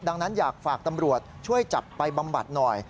ดังนั้นอยากฝากตำรวจช่วยจับไปบำบัดหน่อย